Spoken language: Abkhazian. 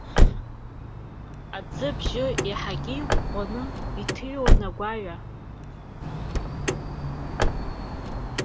Аӡы абжьы еиҳагьы иӷәӷәаны иҭыҩуан агәаҩа.